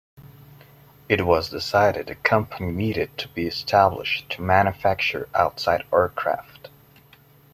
It was decided a company needed to be established to manufacture outsized aircraft.